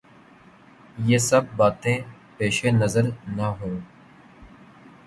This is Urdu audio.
یہ سب باتیں پیش نظر نہ ہوں۔